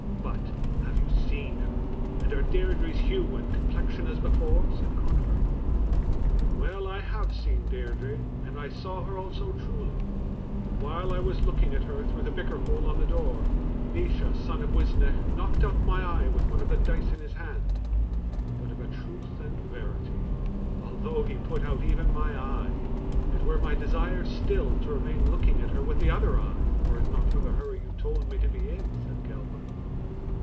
But have you seen her, and are Deirdre's hue and complexion as before?" said Connachar. "Well, I have seen Deirdre, and I saw her also truly, and while I was looking at her through the bicker hole on the door, Naois, son of Uisnech, knocked out my eye with one of the dice in his hand. But of a truth and verity, although he put out even my eye, it were my desire still to remain looking at her with the other eye, were it not for the hurry you told me to be in," said Gelban.